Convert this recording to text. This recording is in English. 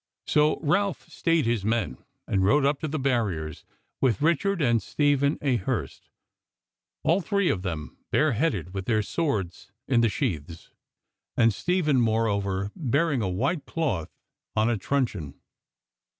So Ralph stayed his men, and rode up to the barriers with Richard and Stephen a Hurst, all three of them bare headed with their swords in the sheaths; and Stephen moreover bearing a white cloth on a truncheon.